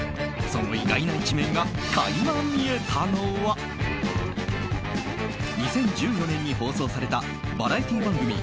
その意外な一面が垣間見えたのは２０１４年に放送されたバラエティー番組